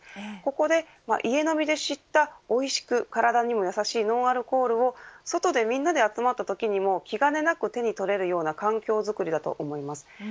ここで、家飲みで知ったおいしく、体にもやさしいノンアルコールを外でみんなで集まったときにも気兼ねなく手に取れるような環境づくりだと思います。